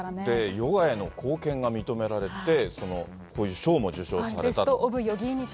ヨガへの貢献が認められて、こういう賞も受賞されたと。